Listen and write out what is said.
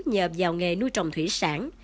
nhờ vào nghề nuôi trồng thủy sản